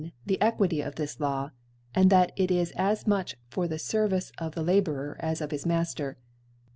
The Equity of this Lawj and that it is as much for the Service of the Labourer as' of his Mafter.